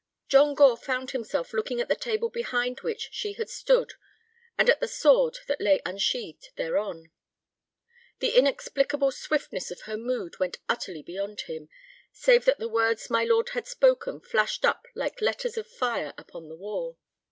John Gore found himself looking at the table behind which she had stood and at the sword that lay unsheathed thereon. The inexplicable swiftness of her mood went utterly beyond him, save that the words my lord had spoken flashed up like letters of fire upon the wall.